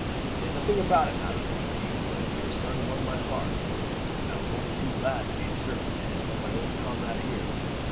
"Say nothing about it, madam," he exclaimed. "Your son won my heart, and I was only too glad to be of service to him and my old comrade here.